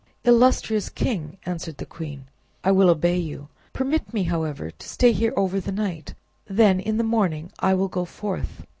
"Illustrious king!" answered the queen, "I will obey you. Permit me, however, to stay here over the night, then in the morning I will go forth."